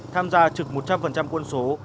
tham gia trực một trăm linh quân số